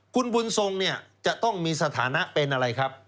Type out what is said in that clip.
คุณบุญทรงเนี่ยจะต้องมีสถานะเป็นอะไรครับ